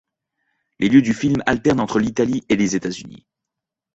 Les lieux du film alternent entre l'Italie et les États-Unis.